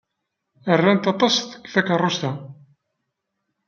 Rant aṭas takeṛṛust-a.